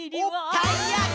たいやき！